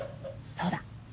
そうだ。